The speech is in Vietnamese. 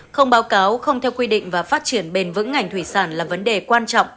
không báo cáo không theo quy định và phát triển bền vững ngành thủy sản là vấn đề quan trọng